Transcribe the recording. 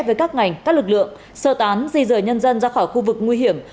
với các ngành các lực lượng sơ tán di rời nhân dân ra khỏi khu vực nguy hiểm